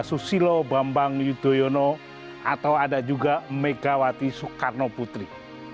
susilo bambang yudhoyono atau ada juga megawati soekarno putri